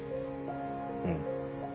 うん。